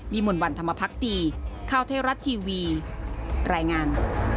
วิมุลวันธรรมพักตีข้าวเทศรัทย์ทีวีรายงาน